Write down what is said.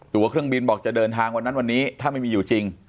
ตัวเครื่องบินบอกจะเดินทางวันนั้นวันนี้ถ้าไม่มีอยู่จริง